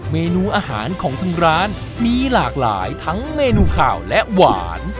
เมนูอาหารของทางร้านมีหลากหลายทั้งเมนูข่าวและหวาน